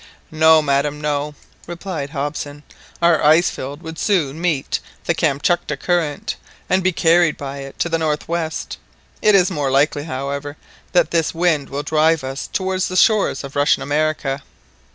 "No, madam, no," replied Hobson; "our ice field would soon meet the Kamtchatka current, and be carried by it to the northwest. It is more likely, however, that this wind will drive us towards the shores of Russian America."